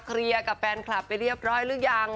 กับแฟนคลับไปเรียบร้อยหรือยัง